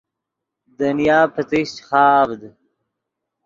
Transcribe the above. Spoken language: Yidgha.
دنیا پتیشچ خاڤد